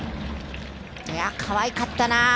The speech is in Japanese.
いや、かわいかったなあ。